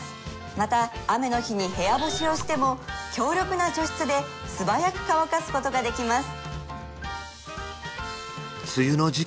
また雨の日に部屋干しをしても強力な除湿で素早く乾かすことができます